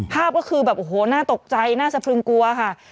ภาพก็คือแบบโอ้โหน่าตกใจน่าจะพรึงกลัวค่ะ